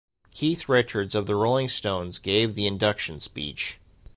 Keith Richards of the Rolling Stones gave the induction speech.